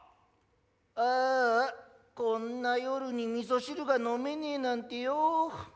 ああこんな夜に味噌汁が飲めねえなんてよぉ。